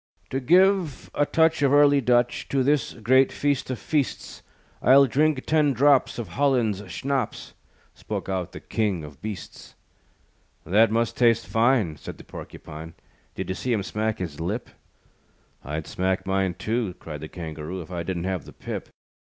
"To give a touch Of early Dutch To this great feast of feasts, I'll drink ten drops Of Holland's schnapps," Spoke out the King of Beasts. "That must taste fine," Said the Porcupine, "Did you see him smack his lip?" "I'd smack mine, too," Cried the Kangaroo, "If I didn't have the pip."